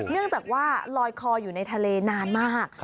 เนื่องจากว่าลอยคออยู่ในทะเลนานมาก